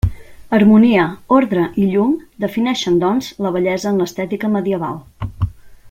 Harmonia, ordre i llum defineixen, doncs, la bellesa en l'estètica medieval.